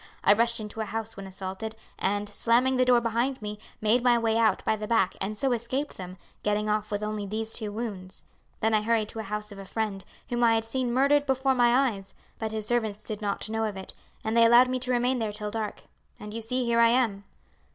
I rushed into a house when assaulted, and, slamming the door behind me, made my way out by the back and so escaped them, getting off with only these two wounds; then I hurried to a house of a friend, whom I had seen murdered before my eyes, but his servants did not know of it, and they allowed me to remain there till dark, and you see here I am."